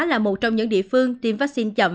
là một trong những địa phương tiêm vắc xin chậm